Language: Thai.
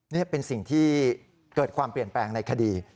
นี่เป็นสิ่งที่เกิดความเปลี่ยนแปลงในคดี